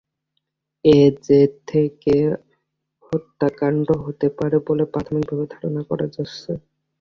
এর জের ধরে হত্যাকাণ্ড হতে পারে বলে প্রাথমিকভাবে ধারণা করা হচ্ছে।